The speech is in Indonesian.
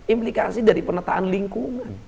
implikasi dari penataan lingkungan